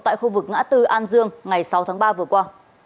tại khu vực ngã tư an dương ngày sáu tháng ba vừa qua